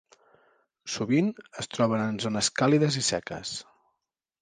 Sovint es troben en zones càlides i seques.